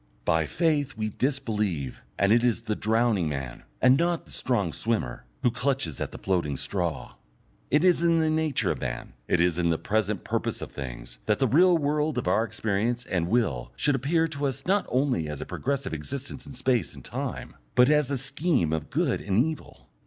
By faith we disbelieve, and it is the drowning man, and not the strong swimmer, who clutches at the floating straw. It is in the nature of man, it is in the present purpose of things, that the real world of our experience and will should appear to us not only as a progressive existence in space and time, but as a scheme of good and evil.